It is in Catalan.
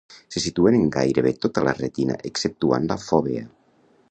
Se situen en gairebé tota la retina exceptuant la fòvea.